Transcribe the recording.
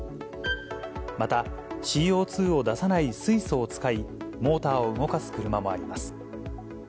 また、ＣＯ２を出さない水素を使い、モーターを動かす車もあります。